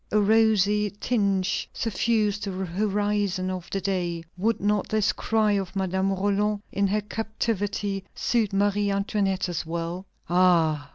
A rosy tinge suffused the horizon of the day." Would not this cry of Madame Roland in her captivity suit Marie Antoinette as well? "Ah!